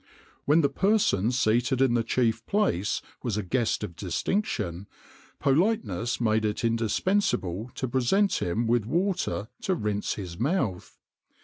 [XXIX 109] "When the person seated in the chief place was a guest of distinction, politeness made it indispensable to present him with water to rinse his mouth.